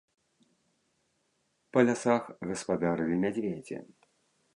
Па лясах гаспадарылі мядзведзі.